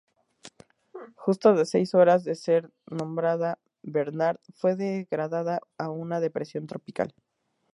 Justo de seis horas de ser nombrada, Bernard fue degradada a una depresión tropical.